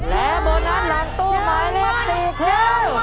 และโบนัสหลังตู้หมายเลข๔คือ